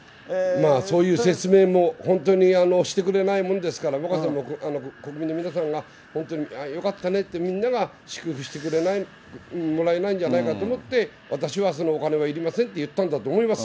そういう説明も本当にしてくれないものですから、眞子さまも、国民の皆さんが本当によかったねって、みんなが祝福してもらえないんじゃないかと思って、私はそのお金はいりませんって言ったんだと思います。